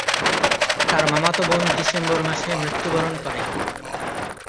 তার মামাতো বোন ডিসেম্বর মাসে মৃত্যুবরণ করে।